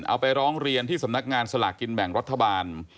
เอาไปร้องเรียนที่สำนักงานสลากกินแบ่งรัฐบาล